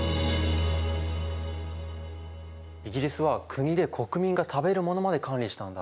イギリスは国で国民が食べるものまで管理したんだ。